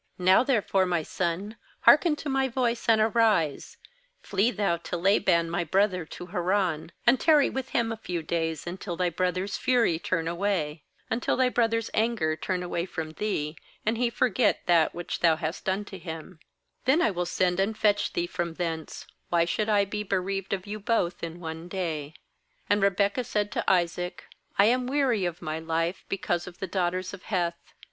^Now there fore, my son, hearken to my voice; and arise, flee thou to Laban my brother to Haran; ^and tarry with him a few days, until thy brother's fury turn away; 45until thy brother's anger turn away from thee, and he forget that which thou hast done to him; then I will send, and fetch thee from thence; why should I be bereaved of you both in one day?' ^And Rebekah said to Isaac: fl am weary of my life because of the daughters of Heth.